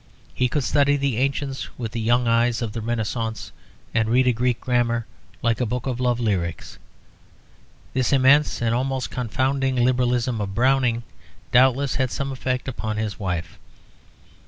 He could study the ancients with the young eyes of the Renaissance and read a Greek grammar like a book of love lyrics. This immense and almost confounding Liberalism of Browning doubtless had some effect upon his wife.